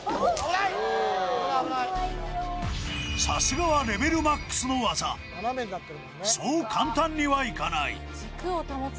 さすがはレベルＭＡＸの技そう簡単にはいかない